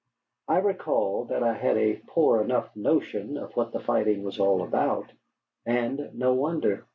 I recall that I had a poor enough notion of what the fighting was all about. And no wonder.